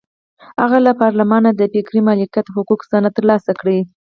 هغه له پارلمانه د فکري مالکیت حقوقو سند ترلاسه کړ.